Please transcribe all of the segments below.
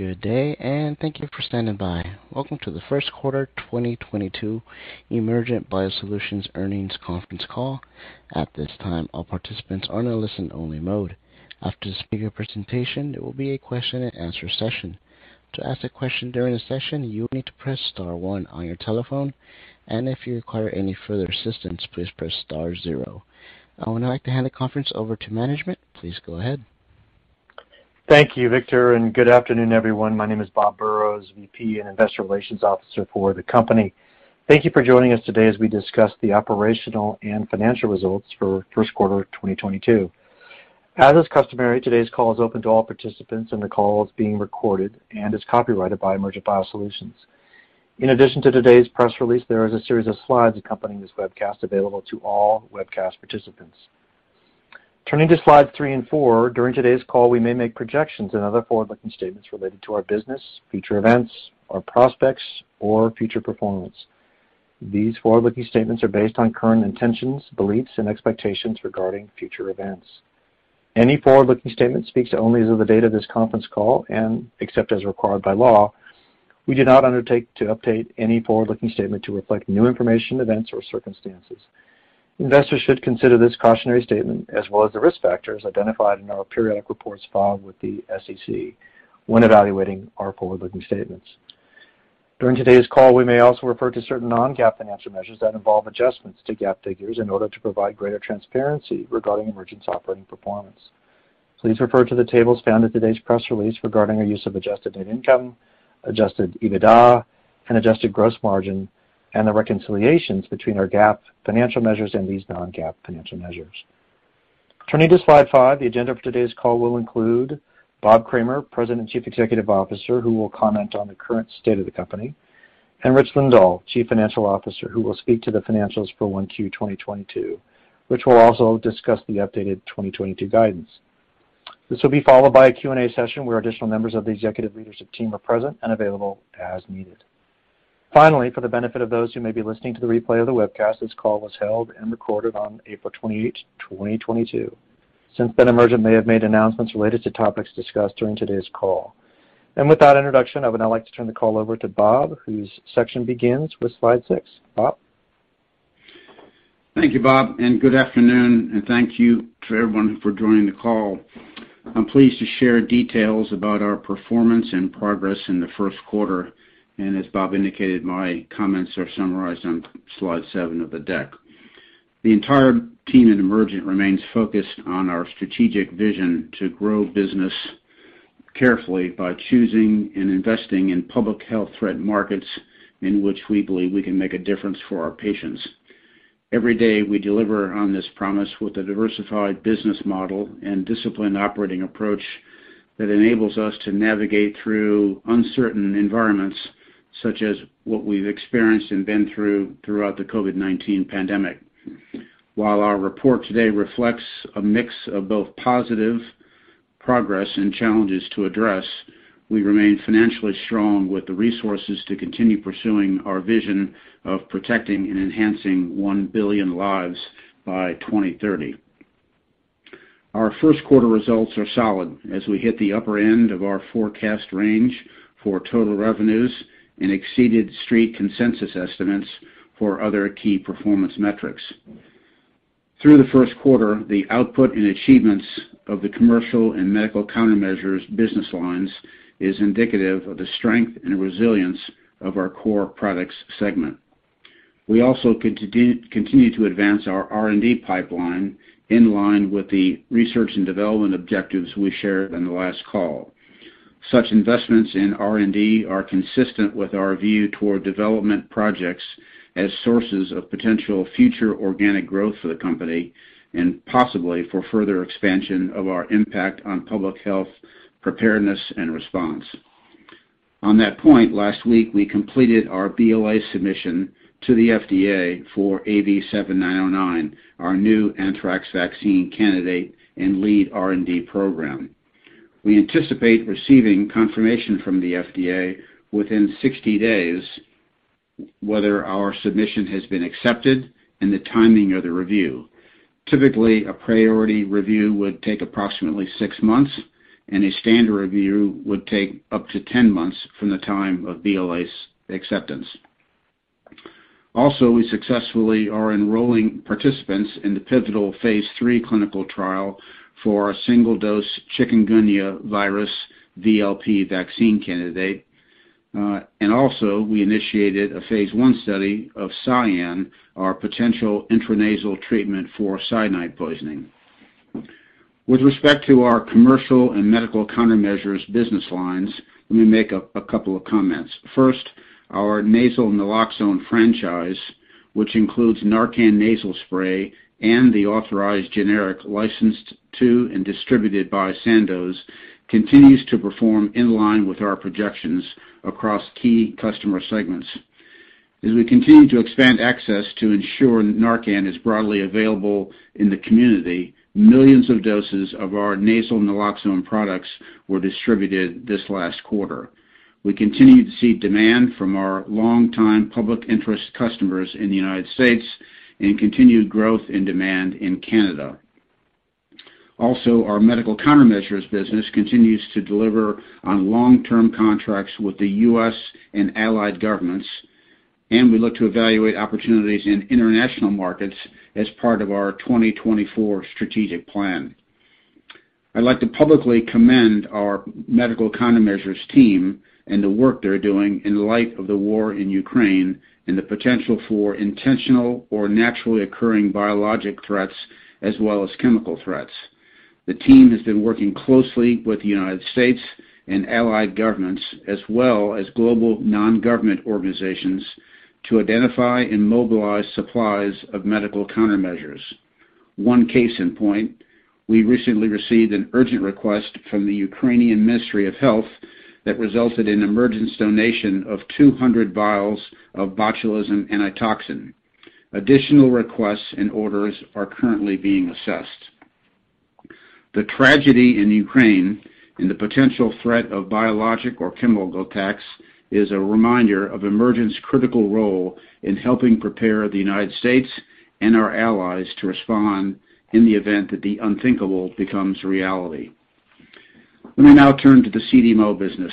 Good day, and thank you for standing by. Welcome to the Q1 2022 Emergent BioSolutions Earnings Conference Call. At this time, all participants are in a listen only mode. After the speaker presentation, there will be a question and answer session. To ask a question during the session, you will need to press star one on your telephone, and if you require any further assistance, please press star zero. I would now like to hand the conference over to management. Please go ahead. Thank you, Victor, and good afternoon, everyone. My name is Bob Burrows, VP and Investor Relations Officer for the company. Thank you for joining us today as we discuss the operational and financial results for Q1 2022. As is customary, today's call is open to all participants, and the call is being recorded and is copyrighted by Emergent BioSolutions. In addition to today's press release, there is a series of slides accompanying this webcast available to all webcast participants. Turning to slide three and four. During today's call, we may make projections and other forward-looking statements related to our business, future events, our prospects or future performance. These forward-looking statements are based on current intentions, beliefs, and expectations regarding future events. Any forward-looking statement speaks only as of the date of this conference call, and except as required by law, we do not undertake to update any forward-looking statement to reflect new information, events or circumstances. Investors should consider this cautionary statement as well as the risk factors identified in our periodic reports filed with the SEC when evaluating our forward-looking statements. During today's call, we may also refer to certain non-GAAP financial measures that involve adjustments to GAAP figures in order to provide greater transparency regarding Emergent's operating performance. Please refer to the tables found in today's press release regarding our use of adjusted net income, adjusted EBITDA and adjusted gross margin and the reconciliations between our GAAP financial measures and these non-GAAP financial measures. Turning to slide five. The agenda for today's call will include Bob Kramer, President and Chief Executive Officer, who will comment on the current state of the company, and Rich Lindahl, Chief Financial Officer, who will speak to the financials for Q1 2022, which will also discuss the updated 2022 guidance. This will be followed by a Q&A session where additional members of the executive leadership team are present and available as needed. Finally, for the benefit of those who may be listening to the replay of the webcast, this call was held and recorded on April 28, 2022. Since then, Emergent may have made announcements related to topics discussed during today's call. With that introduction, I would now like to turn the call over to Bob, whose section begins with slide six. Bob. Thank you, Bob, and good afternoon and thank you to everyone for joining the call. I'm pleased to share details about our performance and progress in the Q1, and as Bob indicated, my comments are summarized on slide seven of the deck. The entire team at Emergent remains focused on our strategic vision to grow business carefully by choosing and investing in public health threat markets in which we believe we can make a difference for our patients. Every day we deliver on this promise with a diversified business model and disciplined operating approach that enables us to navigate through uncertain environments such as what we've experienced and been through throughout the COVID-19 pandemic. While our report today reflects a mix of both positive progress and challenges to address, we remain financially strong with the resources to continue pursuing our vision of protecting and enhancing one billion lives by 2030. Our Q1 results are solid as we hit the upper end of our forecast range for total revenues and exceeded street consensus estimates for other key performance metrics. Through the Q1, the output and achievements of the commercial and medical countermeasures business lines is indicative of the strength and resilience of our core products segment. We also continue to advance our R&D pipeline in line with the research and development objectives we shared on the last call. Such investments in R&D are consistent with our view toward development projects as sources of potential future organic growth for the company and possibly for further expansion of our impact on public health preparedness and response. On that point, last week we completed our BLA submission to the FDA for AV7909, our new anthrax vaccine candidate and lead R&D program. We anticipate receiving confirmation from the FDA within 60 days whether our submission has been accepted and the timing of the review. Typically, a priority review would take approximately six months, and a standard review would take up to 10 months from the time of BLA's acceptance. Also, we successfully are enrolling participants in the pivotal phase III clinical trial for a single-dose chikungunya virus VLP vaccine candidate. Also, we initiated a phase I study of SIAN, our potential intranasal treatment for cyanide poisoning. With respect to our commercial and medical countermeasures business lines, let me make a couple of comments. First, our nasal naloxone franchise, which includes NARCAN Nasal Spray and the authorized generic licensed to and distributed by Sandoz, continues to perform in line with our projections across key customer segments. As we continue to expand access to ensure NARCAN is broadly available in the community, millions of doses of our nasal naloxone products were distributed this last quarter. We continue to see demand from our longtime public interest customers in the United States and continued growth in demand in Canada. Also, our medical countermeasures business continues to deliver on long-term contracts with the US and allied governments, and we look to evaluate opportunities in international markets as part of our 2024 strategic plan. I'd like to publicly commend our medical countermeasures team and the work they're doing in light of the war in Ukraine and the potential for intentional or naturally occurring biological threats as well as chemical threats. The team has been working closely with the United States and allied governments as well as global non-government organizations to identify and mobilize supplies of medical countermeasures. One case in point, we recently received an urgent request from the Ukrainian Ministry of Health that resulted in Emergent's donation of 200 vials of botulism antitoxin. Additional requests and orders are currently being assessed. The tragedy in Ukraine and the potential threat of biological or chemical attacks is a reminder of Emergent's critical role in helping prepare the United States and our allies to respond in the event that the unthinkable becomes reality. Let me now turn to the CDMO business.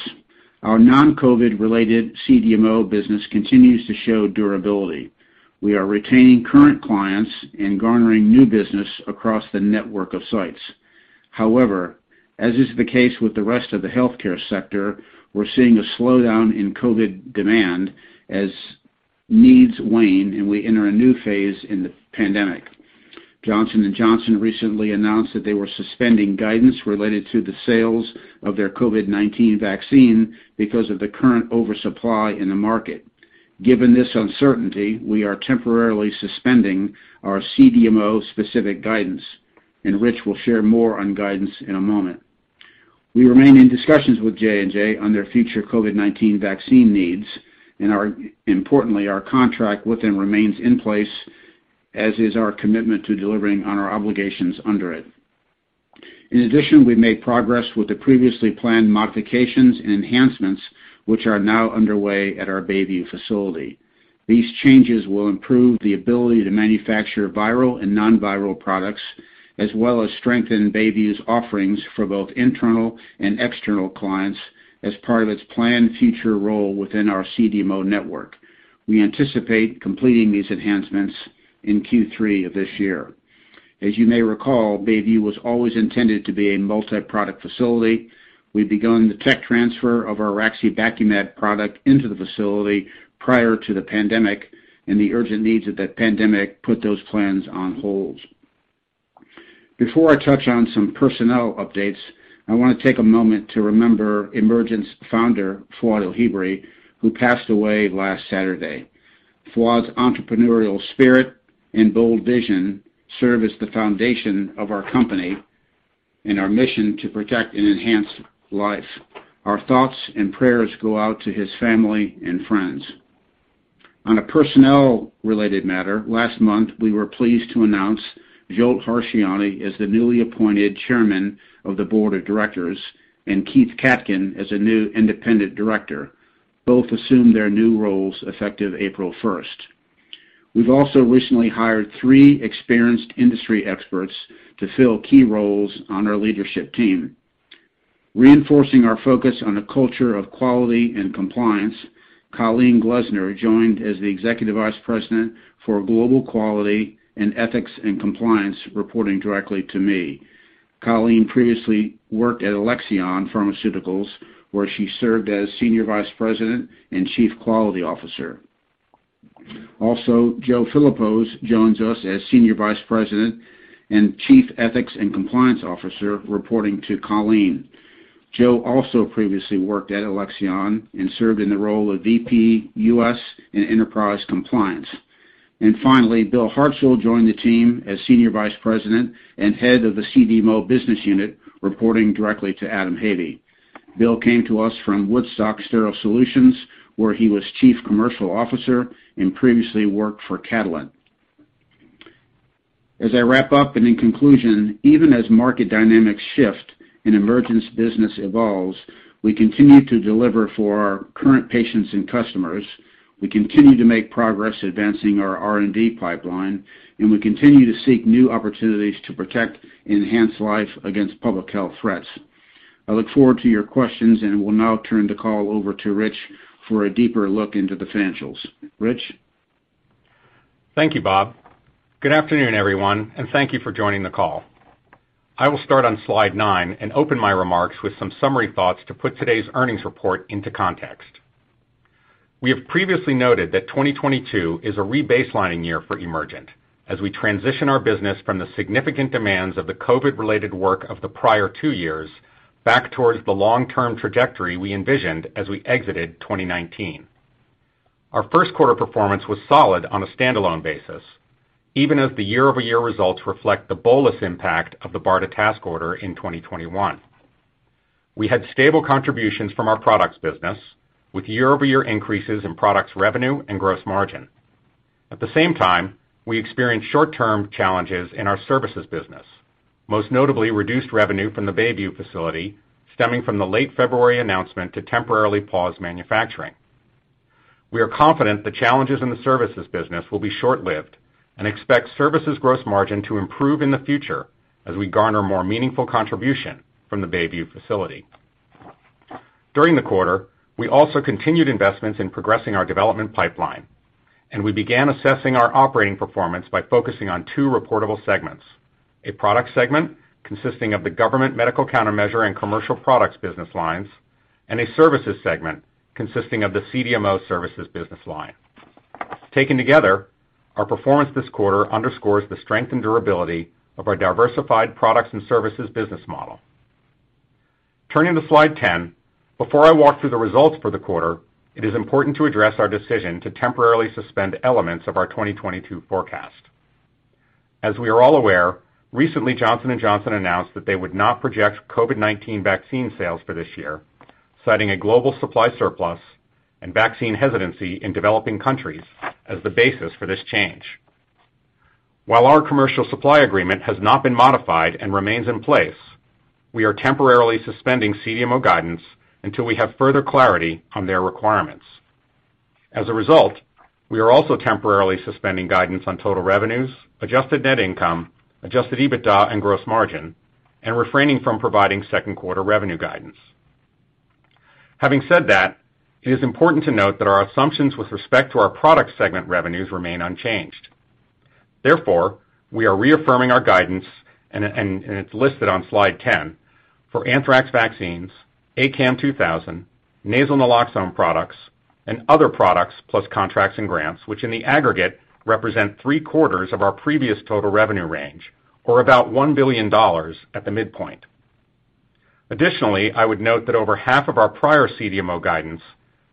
Our non-COVID related CDMO business continues to show durability. We are retaining current clients and garnering new business across the network of sites. However, as is the case with the rest of the healthcare sector, we're seeing a slowdown in COVID demand as needs wane, and we enter a new phase in the pandemic. Johnson & Johnson recently announced that they were suspending guidance related to the sales of their COVID-19 vaccine because of the current oversupply in the market. Given this uncertainty, we are temporarily suspending our CDMO specific guidance and Rich will share more on guidance in a moment. We remain in discussions with J&J on their future COVID-19 vaccine needs and, importantly, our contract with them remains in place, as is our commitment to delivering on our obligations under it. In addition, we've made progress with the previously planned modifications and enhancements, which are now underway at our Bayview facility. These changes will improve the ability to manufacture viral and non-viral products, as well as strengthen Bayview's offerings for both internal and external clients as part of its planned future role within our CDMO network. We anticipate completing these enhancements in Q3 of this year. As you may recall, Bayview was always intended to be a multi-product facility. We'd begun the tech transfer of our raxibacumab product into the facility prior to the pandemic, and the urgent needs of that pandemic put those plans on hold. Before I touch on some personnel updates, I want to take a moment to remember Emergent's founder, Fuad El-Hibri, who passed away last Saturday. Fuad's entrepreneurial spirit and bold vision serve as the foundation of our company and our mission to protect and enhance life. Our thoughts and prayers go out to his family and friends. On a personnel related matter, last month, we were pleased to announce Zsolt Harsanyi as the newly appointed Chairman of the Board of Directors and Keith Katkin as a new independent director. Both assumed their new roles effective April 1st. We've also recently hired three experienced industry experts to fill key roles on our leadership team. Reinforcing our focus on a culture of quality and compliance, Coleen Glessner joined as the Executive Vice President for Global Quality and Ethics and Compliance, reporting directly to me. Coleen previously worked at Alexion Pharmaceuticals, where she served as Senior Vice President and Chief Quality Officer. Also, Joe Philipose joins us as Senior Vice President and Chief Ethics and Compliance Officer, reporting to Coleen. Joe also previously worked at Alexion and served in the role of VP U.S. and Enterprise Compliance. Finally, Bill Hartzel joined the team as Senior Vice President and Head of the CDMO business unit, reporting directly to Adam Havey. Bill came to us from Woodstock Sterile Solutions, where he was Chief Commercial Officer and previously worked for Catalent. As I wrap up and in conclusion, even as market dynamics shift and Emergent's business evolves, we continue to deliver for our current patients and customers. We continue to make progress advancing our R&D pipeline, and we continue to seek new opportunities to protect and enhance life against public health threats. I look forward to your questions and will now turn the call over to Rich for a deeper look into the financials. Rich? Thank you, Bob. Good afternoon, everyone, and thank you for joining the call. I will start on slide nine and open my remarks with some summary thoughts to put today's earnings report into context. We have previously noted that 2022 is a rebaselining year for Emergent as we transition our business from the significant demands of the COVID-related work of the prior two years back towards the long-term trajectory we envisioned as we exited 2019. Our Q1 performance was solid on a standalone basis, even as the year-over-year results reflect the bolus impact of the BARDA task order in 2021. We had stable contributions from our products business, with year-over-year increases in products revenue and gross margin. At the same time, we experienced short-term challenges in our services business, most notably reduced revenue from the Bayview facility stemming from the late February announcement to temporarily pause manufacturing. We are confident the challenges in the services business will be short-lived and expect services gross margin to improve in the future as we garner more meaningful contribution from the Bayview facility. During the quarter, we also continued investments in progressing our development pipeline, and we began assessing our operating performance by focusing on two reportable segments. A product segment consisting of the government medical countermeasure and commercial products business lines, and a services segment consisting of the CDMO services business line. Taken together, our performance this quarter underscores the strength and durability of our diversified products and services business model. Turning to Slide 10, before I walk through the results for the quarter, it is important to address our decision to temporarily suspend elements of our 2022 forecast. As we are all aware, recently Johnson & Johnson announced that they would not project COVID-19 vaccine sales for this year, citing a global supply surplus and vaccine hesitancy in developing countries as the basis for this change. While our commercial supply agreement has not been modified and remains in place, we are temporarily suspending CDMO guidance until we have further clarity on their requirements. As a result, we are also temporarily suspending guidance on total revenues, adjusted net income, adjusted EBITDA and gross margin, and refraining from providing Q2 revenue guidance. Having said that, it is important to note that our assumptions with respect to our product segment revenues remain unchanged. Therefore, we are reaffirming our guidance and it's listed on Slide 10 for anthrax vaccines, ACAM2000, nasal naloxone products and other products, plus contracts and grants, which in the aggregate, represent three-quarters of our previous total revenue range or about $1 billion at the midpoint. Additionally, I would note that over half of our prior CDMO guidance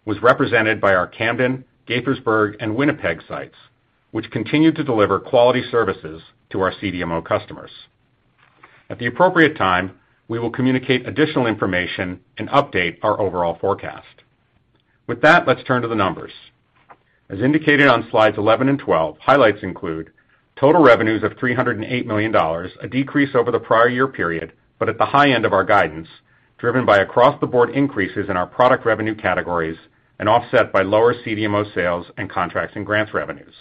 was represented by our Camden, Gaithersburg and Winnipeg sites, which continue to deliver quality services to our CDMO customers. At the appropriate time, we will communicate additional information and update our overall forecast. With that, let's turn to the numbers. As indicated on Slides 11 and 12, highlights include total revenues of $308 million, a decrease over the prior year period, but at the high end of our guidance, driven by across-the-board increases in our product revenue categories and offset by lower CDMO sales and contracts and grants revenues.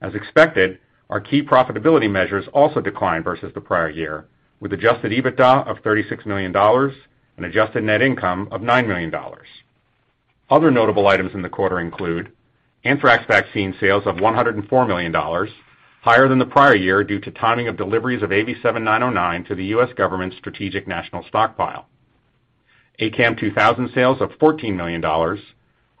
As expected, our key profitability measures also declined versus the prior year, with adjusted EBITDA of $36 million and adjusted net income of $9 million. Other notable items in the quarter include anthrax vaccine sales of $104 million, higher than the prior year due to timing of deliveries of AV7909 to the US government's Strategic National Stockpile. ACAM2000 sales of $14 million,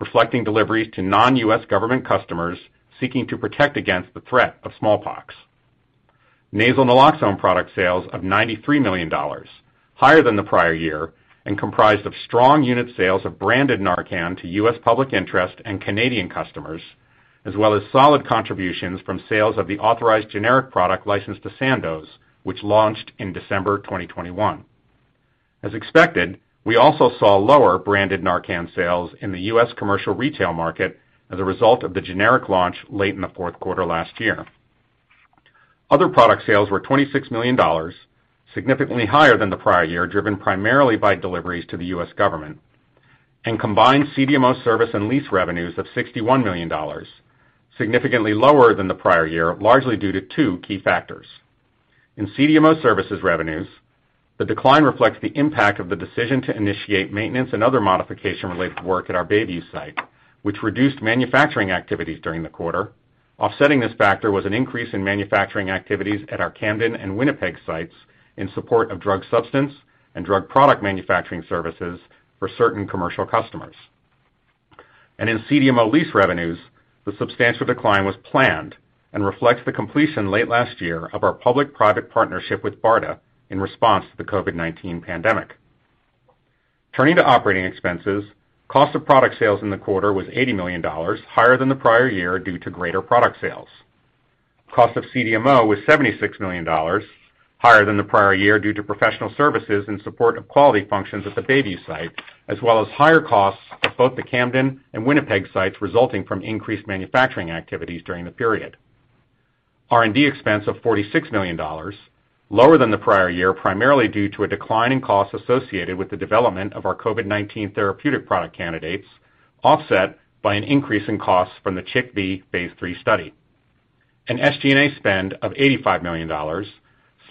reflecting deliveries to non-U.S. government customers seeking to protect against the threat of smallpox. Nasal naloxone product sales of $93 million, higher than the prior year and comprised of strong unit sales of branded NARCAN to U.S. public interest and Canadian customers, as well as solid contributions from sales of the authorized generic product licensed to Sandoz, which launched in December 2021. As expected, we also saw lower branded NARCAN sales in the U.S. commercial retail market as a result of the generic launch late in the Q4 last year. Other product sales were $26 million, significantly higher than the prior year, driven primarily by deliveries to the U.S. government. Combined CDMO service and lease revenues of $61 million, significantly lower than the prior year, largely due to two key factors. In CDMO services revenues, the decline reflects the impact of the decision to initiate maintenance and other modification-related work at our Bayview site, which reduced manufacturing activities during the quarter. Offsetting this factor was an increase in manufacturing activities at our Camden and Winnipeg sites in support of drug substance and drug product manufacturing services for certain commercial customers. In CDMO lease revenues, the substantial decline was planned and reflects the completion late last year of our public-private partnership with BARDA in response to the COVID-19 pandemic. Turning to operating expenses, cost of product sales in the quarter was $80 million, higher than the prior year due to greater product sales. Cost of CDMO was $76 million, higher than the prior year due to professional services in support of quality functions at the Bayview site, as well as higher costs of both the Camden and Winnipeg sites resulting from increased manufacturing activities during the period. R&D expense of $46 million, lower than the prior year, primarily due to a decline in costs associated with the development of our COVID-19 therapeutic product candidates, offset by an increase in costs from the CHIKV phase III study. An SG&A spend of $85 million,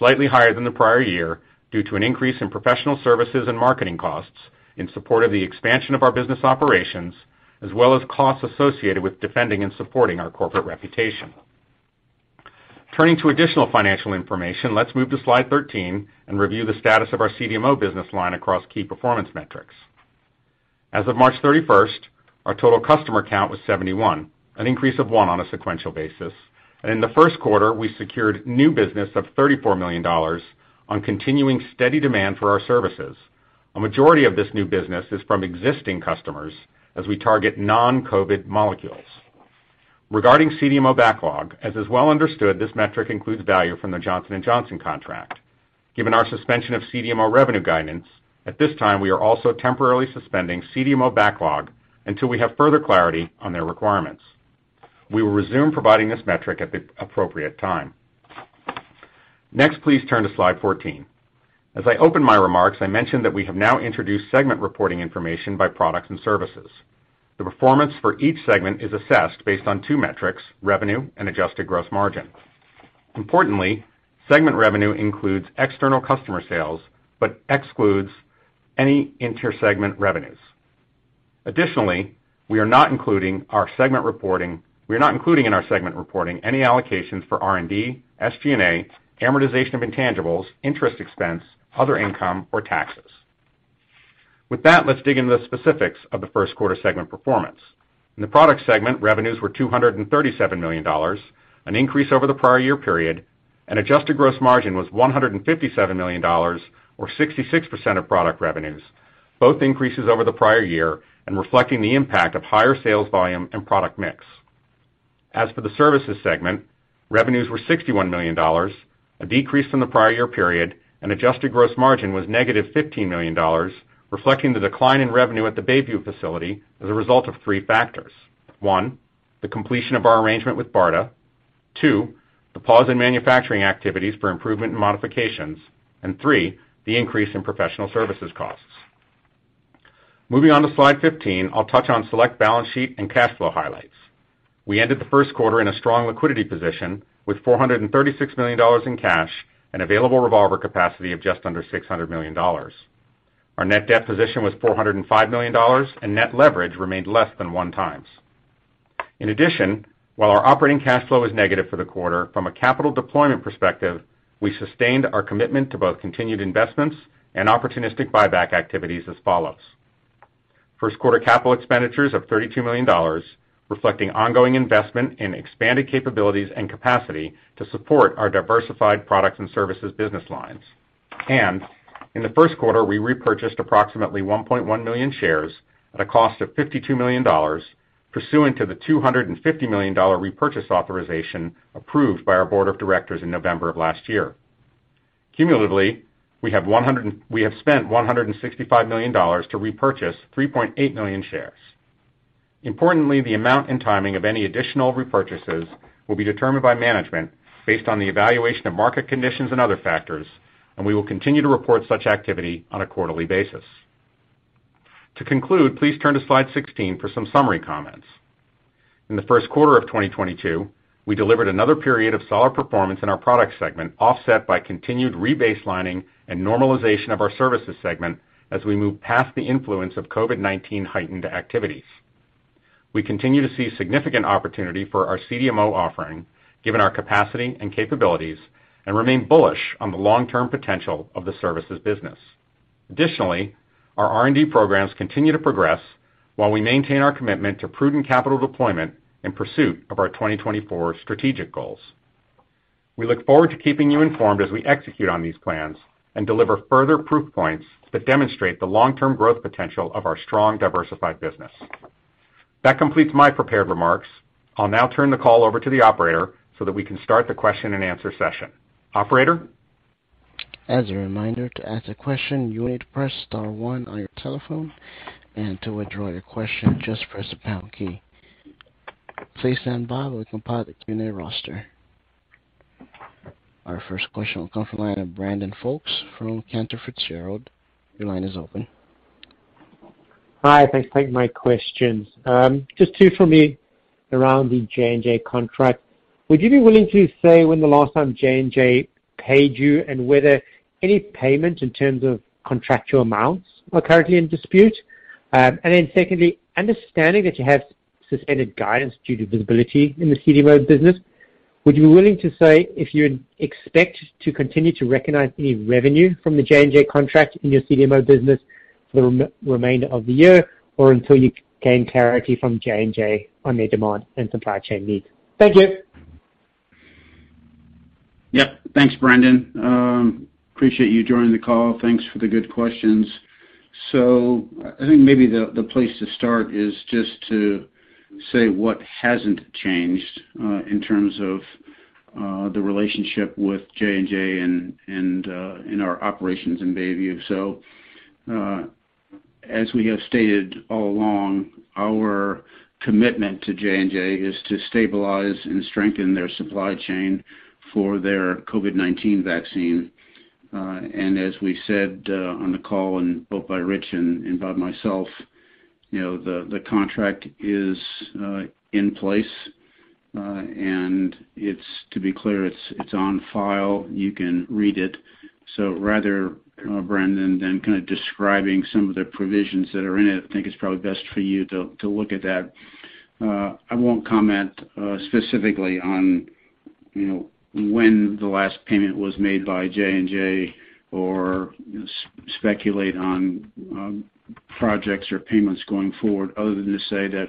slightly higher than the prior year due to an increase in professional services and marketing costs in support of the expansion of our business operations, as well as costs associated with defending and supporting our corporate reputation. Turning to additional financial information, let's move to Slide 13 and review the status of our CDMO business line across key performance metrics. As of March 31st, our total customer count was 71, an increase of one on a sequential basis. In the Q1, we secured new business of $34 million on continuing steady demand for our services. A majority of this new business is from existing customers as we target non-COVID molecules. Regarding CDMO backlog, as is well understood, this metric includes value from the Johnson & Johnson contract. Given our suspension of CDMO revenue guidance, at this time, we are also temporarily suspending CDMO backlog until we have further clarity on their requirements. We will resume providing this metric at the appropriate time. Next, please turn to slide 14. As I opened my remarks, I mentioned that we have now introduced segment reporting information by products and services. The performance for each segment is assessed based on two metrics, revenue and adjusted gross margin. Importantly, segment revenue includes external customer sales, but excludes any inter-segment revenues. Additionally, we are not including in our segment reporting any allocations for R&D, SG&A, amortization of intangibles, interest expense, other income, or taxes. With that, let's dig into the specifics of the Q1 segment performance. In the product segment, revenues were $237 million, an increase over the prior year period, and adjusted gross margin was $157 million, or 66% of product revenues, both increases over the prior year and reflecting the impact of higher sales volume and product mix. As for the services segment, revenues were $61 million, a decrease from the prior year period, and adjusted gross margin was -$15 million, reflecting the decline in revenue at the Bayview facility as a result of three factors. One, the completion of our arrangement with BARDA. Two, the pause in manufacturing activities for improvement and modifications. Three, the increase in professional services costs. Moving on to slide 15, I'll touch on select balance sheet and cash flow highlights. We ended the Q1 in a strong liquidity position with $436 million in cash and available revolver capacity of just under $600 million. Our net debt position was $405 million, and net leverage remained less than 1x. In addition, while our operating cash flow is negative for the quarter, from a capital deployment perspective, we sustained our commitment to both continued investments and opportunistic buyback activities as follows. Q1 capital expenditures of $32 million, reflecting ongoing investment in expanded capabilities and capacity to support our diversified products and services business lines. In the Q1, we repurchased approximately 1.1 million shares at a cost of $52 million pursuant to the $250 million repurchase authorization approved by our board of directors in November of last year. Cumulatively, we have spent $165 million to repurchase 3.8 million shares. Importantly, the amount and timing of any additional repurchases will be determined by management based on the evaluation of market conditions and other factors, and we will continue to report such activity on a quarterly basis. To conclude, please turn to slide 16 for some summary comments. In the Q1 of 2022, we delivered another period of solid performance in our product segment, offset by continued rebaselining and normalization of our services segment as we move past the influence of COVID-19 heightened activities. We continue to see significant opportunity for our CDMO offering given our capacity and capabilities, and remain bullish on the long-term potential of the services business. Additionally, our R&D programs continue to progress while we maintain our commitment to prudent capital deployment in pursuit of our 2024 strategic goals. We look forward to keeping you informed as we execute on these plans and deliver further proof points that demonstrate the long-term growth potential of our strong, diversified business. That completes my prepared remarks. I'll now turn the call over to the operator so that we can start the question and answer session. Operator? As a reminder, to ask a question, you need to press star one on your telephone, and to withdraw your question, just press the pound key. Please stand by while we compile the Q&A roster. Our first question will come from the line of Brandon Folkes from Cantor Fitzgerald. Your line is open. Hi. Thanks for taking my questions. Just two for me around the J&J contract. Would you be willing to say when the last time J&J paid you and whether any payment in terms of contractual amounts are currently in dispute? Secondly, understanding that you have suspended guidance due to visibility in the CDMO business, would you be willing to say if you expect to continue to recognize any revenue from the J&J contract in your CDMO business for the remainder of the year or until you gain clarity from J&J on their demand and supply chain needs? Thank you. Yeah. Thanks, Brandon. Appreciate you joining the call. Thanks for the good questions. I think maybe the place to start is just to say what hasn't changed in terms of the relationship with J&J and in our operations in Bayview. As we have stated all along, our commitment to J&J is to stabilize and strengthen their supply chain for their COVID-19 vaccine. And as we said on the call and both by Rich and by myself, you know, the contract is in place, and it's, to be clear, it's on file. You can read it. Rather, Brandon, than kind of describing some of the provisions that are in it, I think it's probably best for you to look at that. I won't comment specifically on, you know, when the last payment was made by J&J or speculate on projects or payments going forward other than to say that,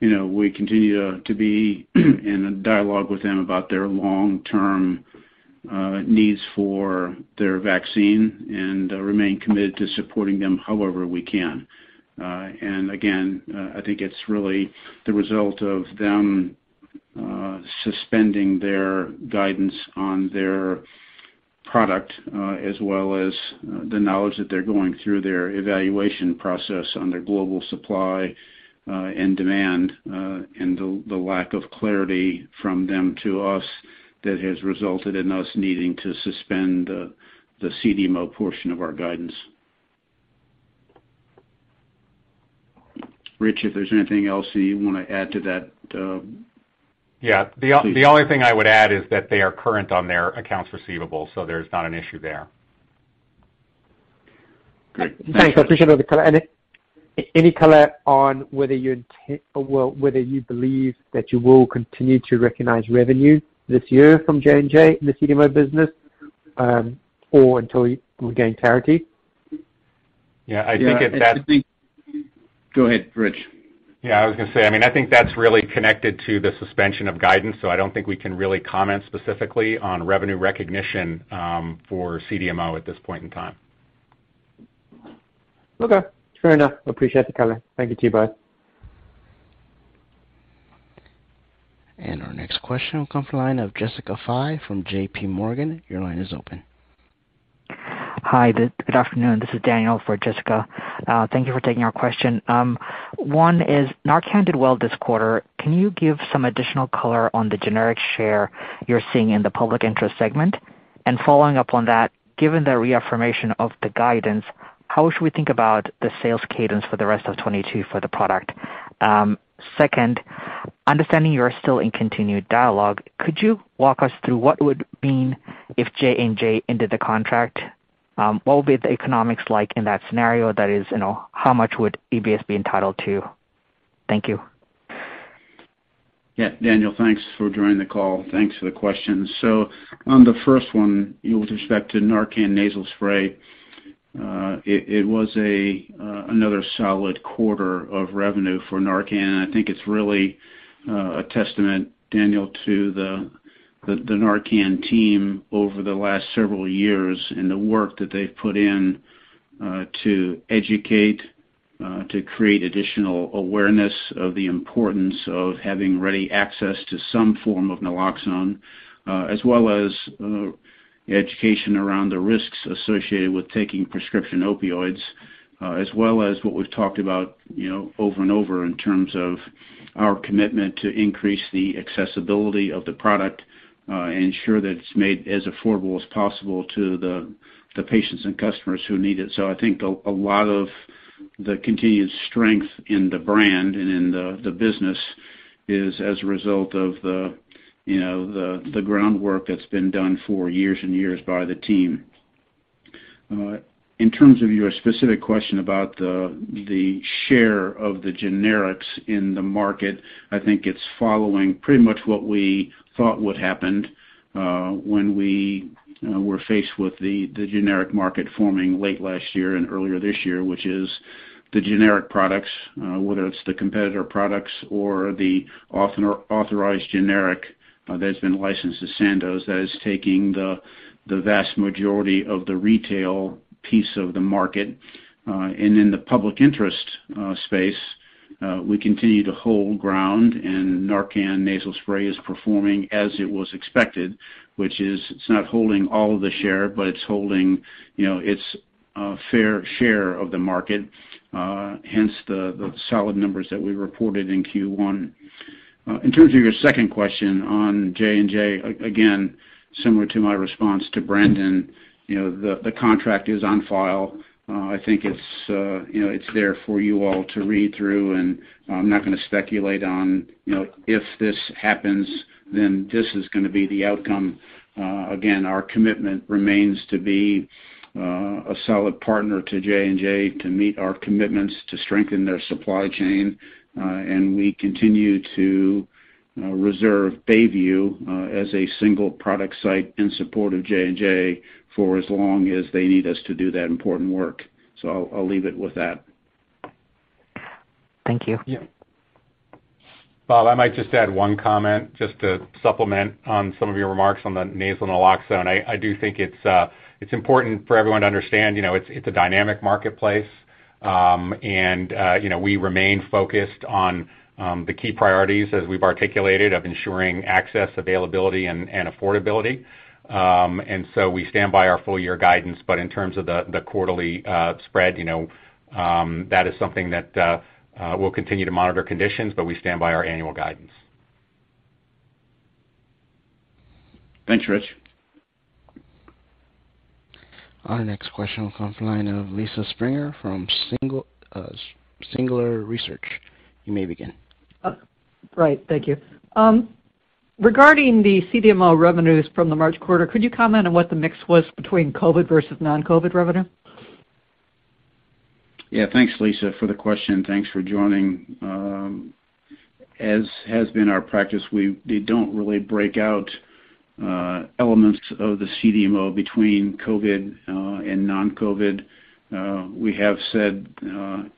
you know, we continue to be in a dialogue with them about their long-term needs for their vaccine and remain committed to supporting them however we can. Again, I think it's really the result of them suspending their guidance on their product as well as the knowledge that they're going through their evaluation process on their global supply and demand and the lack of clarity from them to us that has resulted in us needing to suspend the CDMO portion of our guidance. Rich, if there's anything else that you wanna add to that. Yeah. Please. The only thing I would add is that they are current on their accounts receivable, so there's not an issue there. Great. Thank you. Thanks. Appreciate all the color. Any color on whether you believe that you will continue to recognize revenue this year from J&J in the CDMO business, or until you will gain clarity? Yeah, I think it's best. Go ahead, Rich. Yeah, I was gonna say, I mean, I think that's really connected to the suspension of guidance, so I don't think we can really comment specifically on revenue recognition for CDMO at this point in time. Okay, fair enough. Appreciate the color. Thank you to you both. Our next question will come from the line of Jessica Fye from JPMorgan. Your line is open. Hi. Good afternoon. This is Daniel for Jessica. Thank you for taking our question. One is NARCAN did well this quarter. Can you give some additional color on the generic share you're seeing in the public interest segment? Following up on that, given the reaffirmation of the guidance, how should we think about the sales cadence for the rest of 2022 for the product? Second, understanding you're still in continued dialogue, could you walk us through what that would mean if J&J ended the contract, what would be the economics like in that scenario? That is, you know, how much would EBS be entitled to? Thank you. Yeah. Daniel, thanks for joining the call. Thanks for the questions. On the first one, you know, with respect to NARCAN Nasal Spray, it was another solid quarter of revenue for NARCAN. I think it's really a testament, Daniel, to the NARCAN team over the last several years and the work that they've put in to educate, to create additional awareness of the importance of having ready access to some form of naloxone, as well as education around the risks associated with taking prescription opioids, as well as what we've talked about, you know, over and over in terms of our commitment to increase the accessibility of the product, ensure that it's made as affordable as possible to the patients and customers who need it. I think a lot of the continued strength in the brand and in the business is as a result of the groundwork that's been done for years and years by the team. In terms of your specific question about the share of the generics in the market, I think it's following pretty much what we thought would happen, when we were faced with the generic market forming late last year and earlier this year, which is the generic products, whether it's the competitor products or the authorized generic, that's been licensed to Sandoz that is taking the vast majority of the retail piece of the market. In the public interest space, we continue to hold ground, and NARCAN Nasal Spray is performing as it was expected, which is it's not holding all of the share, but it's holding, you know, its fair share of the market, hence the solid numbers that we reported in Q1. In terms of your second question on J&J, again, similar to my response to Brandon, you know, the contract is on file. I think it's, you know, it's there for you all to read through, and I'm not gonna speculate on, you know, if this happens, then this is gonna be the outcome. Again, our commitment remains to be a solid partner to J&J to meet our commitments to strengthen their supply chain, and we continue to reserve Bayview as a single product site in support of J&J for as long as they need us to do that important work. I'll leave it with that. Thank you. Yeah. Bob, I might just add one comment just to supplement on some of your remarks on the nasal naloxone. I do think it's important for everyone to understand, you know, it's a dynamic marketplace, and you know, we remain focused on the key priorities as we've articulated of ensuring access, availability, and affordability. We stand by our full year guidance, but in terms of the quarterly spread, you know, that is something that we'll continue to monitor conditions, but we stand by our annual guidance. Thanks, Rich. Our next question will come from the line of Lisa Springer from Singular Research. You may begin. Right. Thank you. Regarding the CDMO revenues from the March quarter, could you comment on what the mix was between COVID versus non-COVID revenue? Yeah. Thanks, Lisa, for the question. Thanks for joining. As has been our practice, they don't really break out elements of the CDMO between COVID and non-COVID. We have said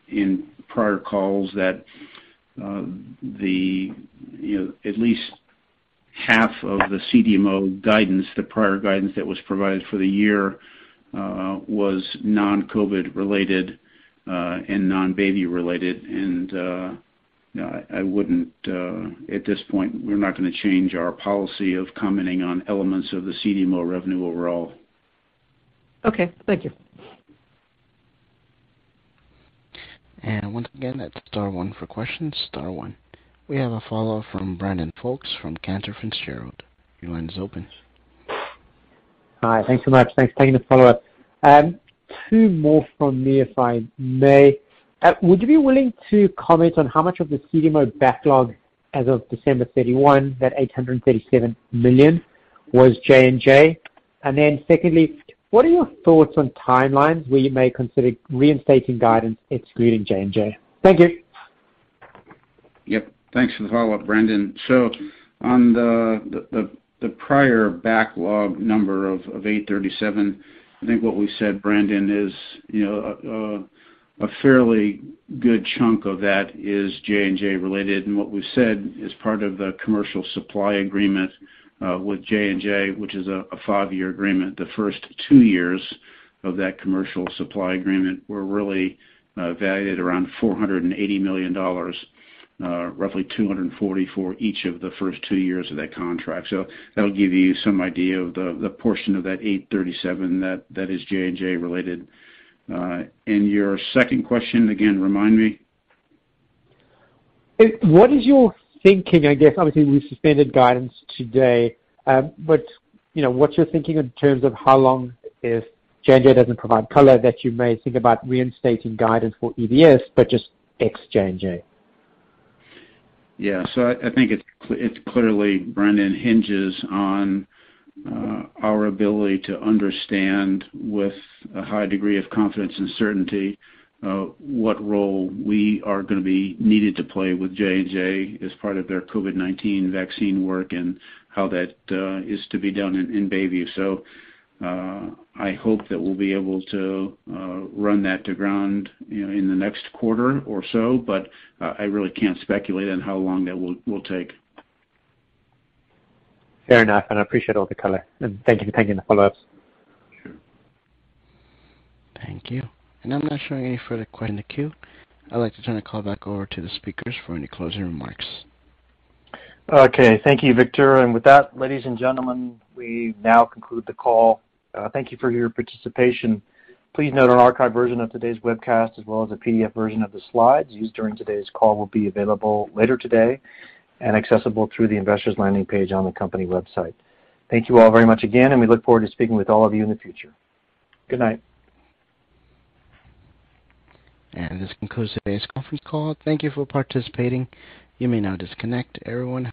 in prior calls that, you know, at least half of the CDMO guidance, the prior guidance that was provided for the year, was non-COVID related and non-Bayview related. You know, I wouldn't. At this point, we're not gonna change our policy of commenting on elements of the CDMO revenue overall. Okay. Thank you. Once again, that's star one for questions, star one. We have a follow-up from Brandon Folkes from Cantor Fitzgerald. Your line is open. Hi. Thanks so much. Thanks for taking the follow-up. Two more from me, if I may. Would you be willing to comment on how much of the CDMO backlog as of December 31, that $837 million was J&J? And then secondly, what are your thoughts on timelines where you may consider reinstating guidance excluding J&J? Thank you. Yep. Thanks for the follow-up, Brandon. On the prior backlog number of $837 million, I think what we said, Brandon, is, you know, a fairly good chunk of that is J&J related. What we've said is part of the commercial supply agreement with J&J, which is a five-year agreement. The first two years of that commercial supply agreement were really valued at around $480 million, roughly $240 million for each of the first two years of that contract. That'll give you some idea of the portion of that $837 million that is J&J related. Your second question again, remind me. What is your thinking, I guess, obviously you suspended guidance today, but, you know, what's your thinking in terms of how long, if J&J doesn't provide color, that you may think about reinstating guidance for EBS, but just ex J&J? Yeah. I think it clearly, Brandon, hinges on our ability to understand with a high degree of confidence and certainty what role we are gonna be needed to play with J&J as part of their COVID-19 vaccine work and how that is to be done in Bayview. I hope that we'll be able to run that to ground, you know, in the next quarter or so, but I really can't speculate on how long that will take. Fair enough, and I appreciate all the color. Thank you for taking the follow-ups. Sure. Thank you. I'm not showing any further questions in the queue. I'd like to turn the call back over to the speakers for any closing remarks. Okay. Thank you, Victor. With that, ladies and gentlemen, we now conclude the call. Thank you for your participation. Please note our archived version of today's webcast, as well as a PDF version of the slides used during today's call, will be available later today and accessible through the investors' landing page on the company website. Thank you all very much again, and we look forward to speaking with all of you in the future. Good night. This concludes today's conference call. Thank you for participating. You may now disconnect everyone.